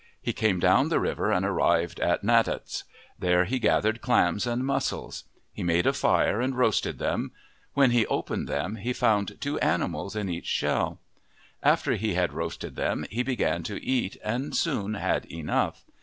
He came down the river and arrived at Natahts. There he gathered clams and mussels. He made a fire and roasted them. When he opened them, he found two animals in each shell. After he had roasted them he began to eat and soon had enough.